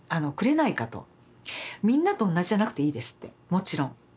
みんなと同じじゃなくていいですってもちろん。